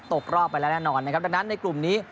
ตกรอบไปแล้วแน่นอนนะครับดังนั้นในกลุ่มนี้